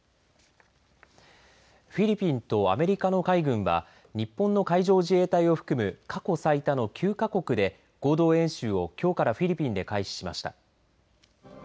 フィリピンとアメリカの海軍は日本の海上自衛隊を含む過去最多の９か国で合同演習をきょうからフィリピンで開始しました。